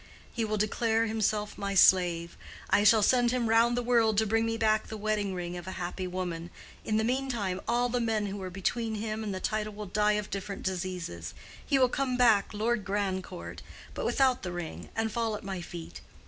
He will declare himself my slave—I shall send him round the world to bring me back the wedding ring of a happy woman—in the meantime all the men who are between him and the title will die of different diseases—he will come back Lord Grandcourt—but without the ring—and fall at my feet.